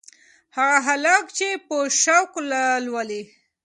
هغه هلک ډېر په شوق لولي.